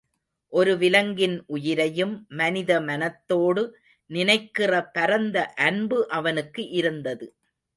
ஒரு விலங்கின் உயிரையும் மனித மனத்தோடு நினைக்கிற பரந்த அன்பு அவனுக்கு இருந்தது.